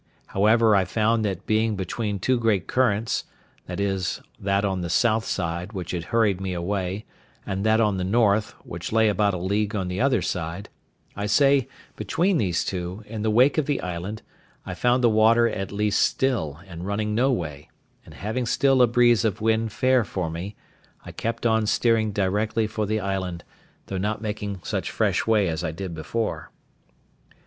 However, I found that being between two great currents—viz. that on the south side, which had hurried me away, and that on the north, which lay about a league on the other side; I say, between these two, in the wake of the island, I found the water at least still, and running no way; and having still a breeze of wind fair for me, I kept on steering directly for the island, though not making such fresh way as I did before.